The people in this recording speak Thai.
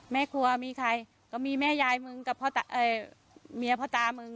แม่ครัวมีใครก็มีแม่ยายมึงกับเมียพ่อตามึง